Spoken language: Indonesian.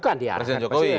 bukan diarahkan ke presiden